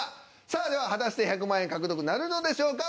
さあでは果たして１００万円獲得なるのでしょうか？